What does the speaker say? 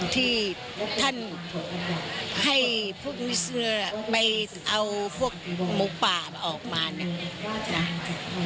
ที่ท่านให้พวกเรือไปเอาพวกหมูป่าออกมาเนี่ย